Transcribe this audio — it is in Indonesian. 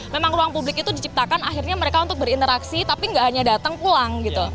memang ruang publik itu diciptakan akhirnya mereka untuk berinteraksi tapi nggak hanya datang pulang gitu